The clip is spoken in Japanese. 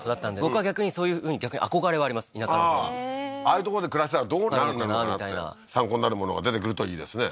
僕は逆にそういうふうに憧れはあります田舎のほうにへえーああいうとこで暮らしたらどうなるのかな？って参考になるものが出てくるといいですね